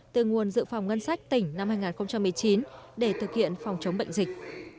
từ nguồn dự phòng ngân sách tỉnh năm hai nghìn một mươi chín để thực hiện phòng chống bệnh dịch